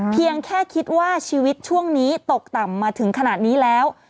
เพียงแค่คิดว่าชีวิตช่วงนี้ตกต่ำมาถึงขนาดนี้แล้ว